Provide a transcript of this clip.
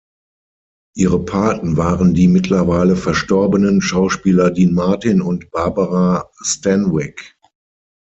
Ihre Paten waren die mittlerweile verstorbenen Schauspieler Dean Martin und Barbara Stanwyck.